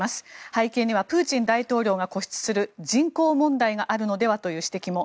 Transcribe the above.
背景にはプーチン大統領が固執する人口問題があるのではという指摘も。